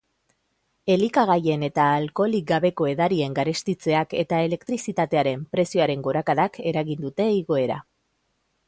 Elikagaien eta alkoholik gabeko edarien garestitzeak eta elektrizitatearen prezioaren gorakadak eragin dute igoera.